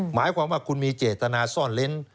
หมายความว่าคุณมีเจตนาซ่อนเล้น